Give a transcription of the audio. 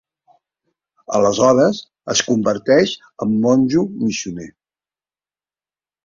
Aleshores, es converteix en monjo missioner.